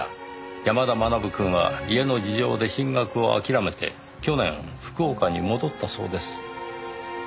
山田学くんは家の事情で進学を諦めて去年福岡に戻ったそうです。